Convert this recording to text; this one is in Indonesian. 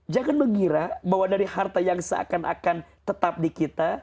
jangan mengira bahwa dari harta yang seakan akan tetap di kita